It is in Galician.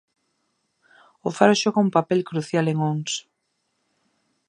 O faro xoga un papel crucial en Ons.